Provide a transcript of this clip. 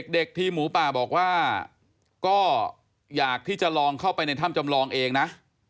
ทีมหมูป่าบอกว่าก็อยากที่จะลองเข้าไปในถ้ำจำลองเองนะ